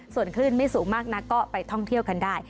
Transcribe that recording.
ส่วนคลื่นไม่สูงมากนักก็ไปท่องเที่ยวกันได้